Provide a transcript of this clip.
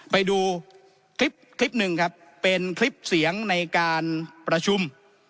ไปดูคลิปคลิปหนึ่งครับเป็นคลิปเสียงในการประชุม